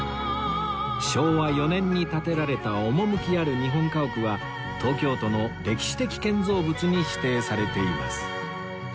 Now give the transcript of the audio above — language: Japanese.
昭和４年に建てられた趣ある日本家屋は東京都の歴史的建造物に指定されています